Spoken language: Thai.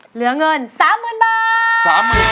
เหลือเงิน๓หมื่นบาท